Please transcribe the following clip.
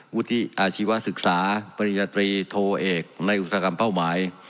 อาชีวศึกษาปริญญาตรีโทเอกในอุตสาหกรรมเป้าหมาย